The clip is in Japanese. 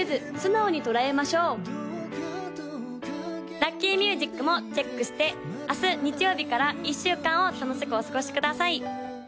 ・ラッキーミュージックもチェックして明日日曜日から１週間を楽しくお過ごしください